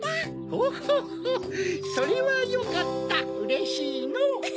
ホッホッホッそれはよかったうれしいのう。